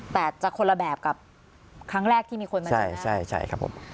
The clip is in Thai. แต่จะคนละแบบกับครั้งแรกที่มีคนมาเจอใช่ใช่ครับผม